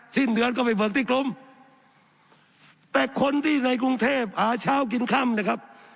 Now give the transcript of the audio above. สิ้นเดือนก็ไปเบิกที่กรมแต่คนที่ในกรุงเทพหาเช้ากินค่ำนะครับ